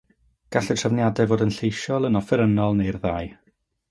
Gall y trefniadau fod yn lleisiol yn offerynnol neu'r ddau.